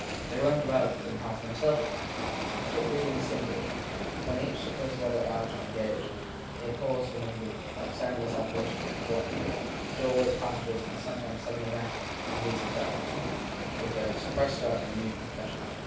They roamed about the house themselves at times, fitfully and singly, when each supposed the other out or engaged; they paused and lingered, like soundless appari tions, in corners, doorways, passages, and sometimes sud denly met, in these experiments, with a suppressed start and a mute confession.